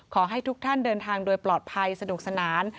ขอให้ทุกท่านเดินทางโดยปลอดภัยสนุกสนาน